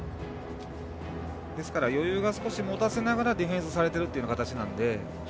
ですから余裕を持たせながらディフェンスされている形なので。